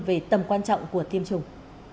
về tầm quan trọng của tiêm chủng